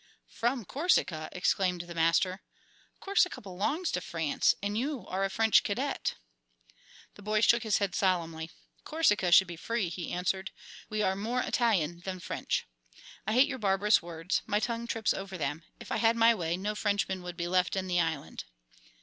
"From Corsica!" exclaimed the master. "Corsica belongs to France, and you are a French cadet." The boy shook his head solemnly. "Corsica should be free," he answered. "We are more Italian than French. I hate your barbarous words, my tongue trips over them. If I had my way no Frenchman would be left in the island."